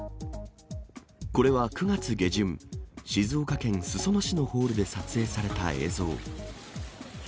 これは９月下旬、静岡県裾野市のホールで撮影された映像。